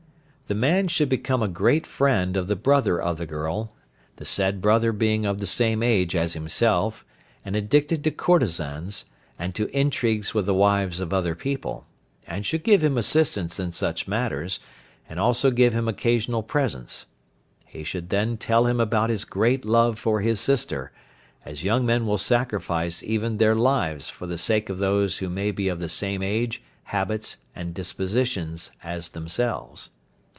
The man should become a great friend of the brother of the girl, the said brother being of the same age as himself, and addicted to courtesans, and to intrigues with the wives of other people, and should give him assistance in such matters, and also give him occasional presents. He should then tell him about his great love for his sister, as young men will sacrifice even their lives for the sake of those who may be of the same age, habits, and dispositions as themselves.